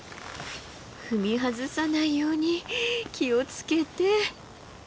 踏み外さないように気を付けて。